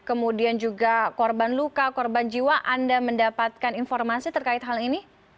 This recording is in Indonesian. kemudian juga korban luka korban jiwa anda mendapatkan informasi terkait hal ini